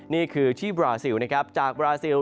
นี่คือชีพบราซิลจากบราซิล